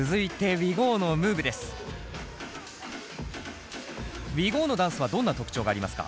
Ｗｉｇｏｒのダンスはどんな特徴がありますか？